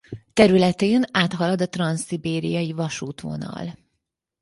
Területén áthalad a Transzszibériai vasútvonal.